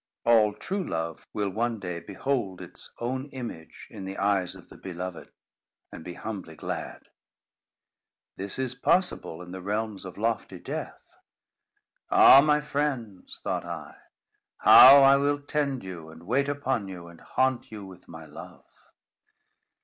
All true love will, one day, behold its own image in the eyes of the beloved, and be humbly glad. This is possible in the realms of lofty Death. "Ah! my friends," thought I, "how I will tend you, and wait upon you, and haunt you with my love."